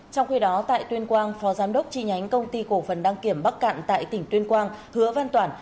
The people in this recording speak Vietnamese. trong khi đó tại tuyên quang phó giám đốc tri nhánh công ty cổ phần đăng kiểm bắc cạn tại tỉnh tuyên quang hứa văn toản